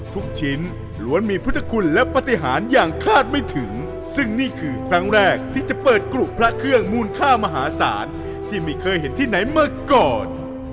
ทุกชิ้นล้วนมีพุทธคุณและปฏิหารอย่างคาดไม่ถึงซึ่งนี่คือครั้งแรกที่จะเปิดกรุพระเครื่องมูลค่ามหาศาลที่ไม่เคยเห็นที่ไหนมาก่อน